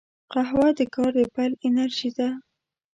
قهوه د کار د پیل انرژي ده